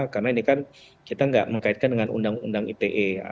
karena ini kan kita nggak mengkaitkan dengan undang undang ite